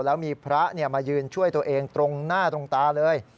แล้วมีพระมายืนช่วยตัวเองตรงหน้าตรงตาเลย